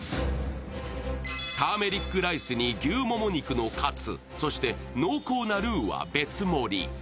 ターメリックライスに牛もも肉のかつ、そして濃厚なル−は別盛り。